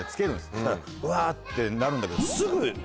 そしたらわぁ！ってなるんだけど。